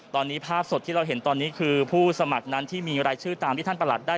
ตอนนี้ภาพสดที่เราเห็นตอนนี้คือผู้สมัครนั้นที่มีรายชื่อตามที่ท่านประหลัดได้